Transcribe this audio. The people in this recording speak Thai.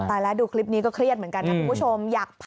ตายแล้วดูคลิปนี้ก็เครียดเหมือนกันนะคุณผู้ชม